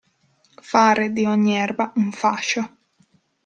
Fare di ogni erba un fascio.